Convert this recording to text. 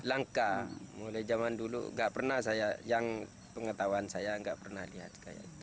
langka mulai zaman dulu yang pengetahuan saya tidak pernah lihat